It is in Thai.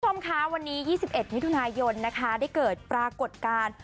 คุณผู้ชมคะวันนี้๒๑มิถุนายนนะคะได้เกิดปรากฏการณ์